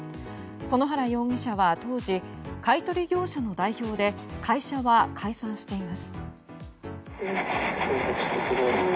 園原容疑者は当時買い取り業者の代表で会社は解散しています。